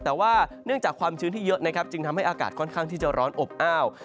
แต่ว่าเนื่องจากความชื้นที่เยอะนะครับจึงทำให้อากาศค่อนข้างที่จะร้อนอบอ้าว